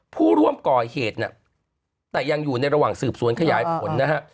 ผู้ร่วมก่อเหตุน่ะแต่ยังอยู่ในระหว่างสืบสวนขยายผลนะฮะ